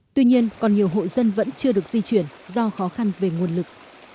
tuy nhiên còn nhiều hộ dân vẫn chưa được di chuyển do khó khăn về nguồn lực